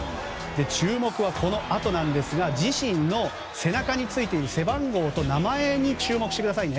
注目はこのあとなんですが自身の背中についている背番号と名前に注目してくださいね。